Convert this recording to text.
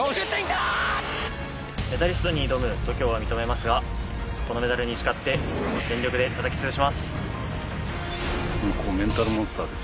メダリストに挑む度胸は認めますが、このメダルに誓って全力でたたきつぶします。